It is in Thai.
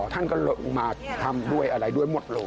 ท่านก็ลงมาทำด้วยอะไรด้วยหมดเลย